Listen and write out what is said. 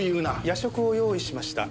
夜食を用意しました。